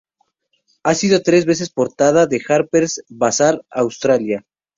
Ha sido tres veces portada de "Harper's Bazaar Australia".